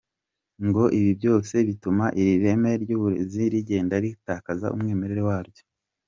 Ngo ibi byose bituma iri reme ry’uburezi rigenda ritakaza umwimerere waryo.